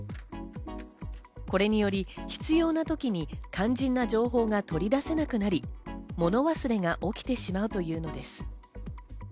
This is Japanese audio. これにより、必要な時に肝心な情報が取り出せなくなり、もの忘れが起きてしまうというのです。